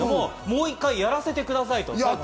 もう１回やらせてください！